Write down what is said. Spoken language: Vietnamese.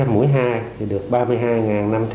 mũi tiêm được một mươi chín mũi đạt chín mươi tám chín mươi sáu